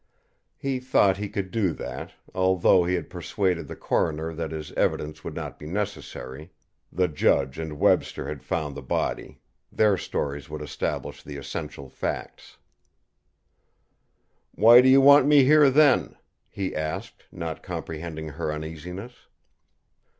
He thought he could do that, although he had persuaded the coroner that his evidence would not be necessary the judge and Webster had found the body; their stories would establish the essential facts. "Why do you want me here then?" he asked, not comprehending her uneasiness.